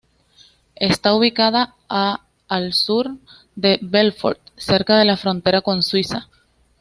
Está ubicada a al sur de Belfort, cerca de la frontera con Suiza.